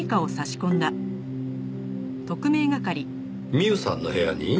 ミウさんの部屋に？